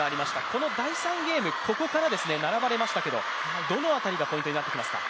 この第３ゲーム、ここから並ばれましたけどどの辺りがポイントになってきますか？